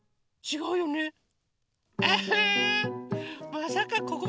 まさかここ？